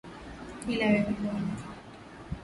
Ila wewe bwana